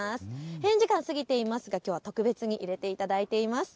閉園時間過ぎていますがきょうは特別に入れていただいています。